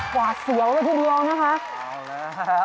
กว่าเสียวละทีเดียวนะคะ